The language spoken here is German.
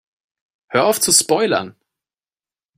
Hör auf zu spoilern!